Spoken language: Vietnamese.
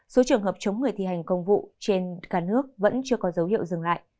số trường hợp chống người thi hành công vụ trên cả nước vẫn chưa có dấu hiệu dừng lại